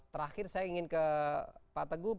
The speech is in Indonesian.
terakhir saya ingin ke pak teguh